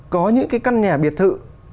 có những cái căn nhà biệt thự